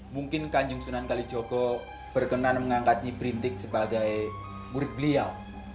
mungkin kanjung sunan kalijogo berkenan mengangkatnya printik sebagai murid beliau